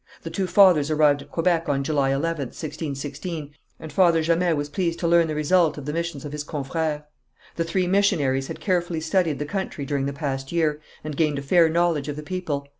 The two fathers arrived at Quebec on July 11th, 1616, and Father Jamet was pleased to learn the result of the missions of his confrères. The three missionaries had carefully studied the country during the past year, and gained a fair knowledge of the people.